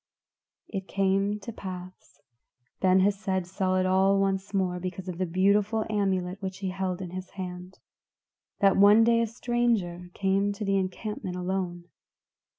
It came to pass Ben Hesed saw it all once more because of the wonderful amulet which he held in his hand that one day a stranger came to the encampment alone.